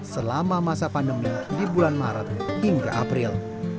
selama masa pandemi di bulan maret hingga april